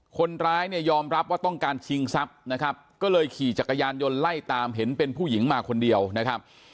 คนร้ายเนี่ยยอมรับว่าต้องการชิงทรัพย์นะครับก็เลยขี่จักรยานยนต์ไล่ตามเห็นเป็นผู้หญิงมาคนเดียวนะครับ